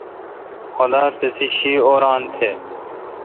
خدا تسے°شی۔ اوران تہ۔